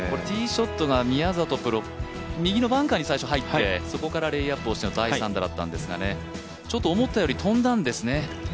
ティーショットが右のバンカーに入ってそこからレイアップをしての第３打だったんですが、ちょっと思ったより飛んだんですね。